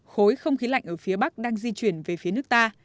khối không khí lạnh ở phía bắc đang di chuyển về phía nước ta